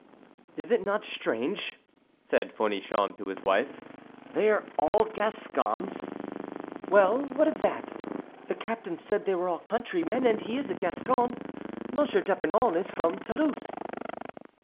"Is it not strange," said Fournichon to his wife, "they are all Gascons?" "Well, what of that? The captain said they were all countrymen, and he is a Gascon. M. d'Epernon is from Toulouse."